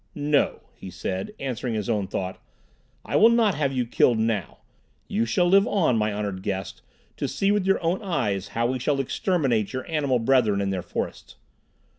"No," he said, answering his own thought. "I will not have you killed now. You shall live on, my honored guest, to see with your own eyes how we shall exterminate your animal brethren in their forests.